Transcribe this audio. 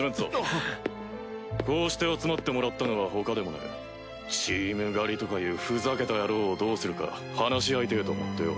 こうして集まってもらったのはほかでもねえチーム狩りとかいうふざけた野郎をどうするか話し合いたいと思ってよ。